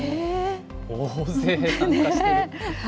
大勢参加してる。